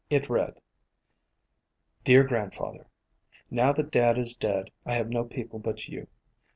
It read: DEAR GRANDFATHER: Now that dad is dead, I have no people but you.